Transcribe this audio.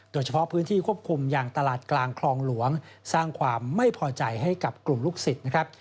โดยเฉพาะพื้นที่ควบคุมอย่างตลาดกลางคลองหลวงสร้างความไม่พอใจให้กับกลุ่มลูกศิษย์นะครับ